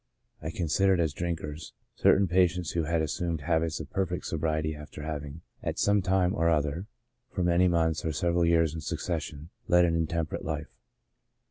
I considered as drinkers, certain pa tients who had assumed habits of perfect sobriety after having, at some time or other, for many months, or several years in succession, led an intemperate life.